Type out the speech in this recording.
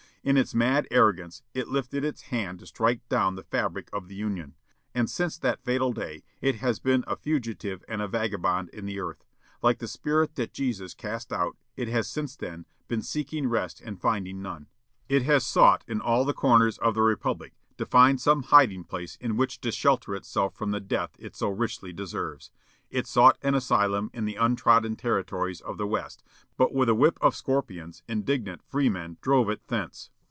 In its mad arrogance it lifted its hand to strike down the fabric of the Union, and since that fatal day it has been 'a fugitive and a vagabond in the earth.' Like the spirit that Jesus cast out, it has, since then, been 'seeking rest and finding none.' It has sought in all the corners of the republic to find some hiding place in which to shelter itself from the death it so richly deserves. It sought an asylum in the untrodden territories of the West, but with a whip of scorpions indignant freemen drove it thence.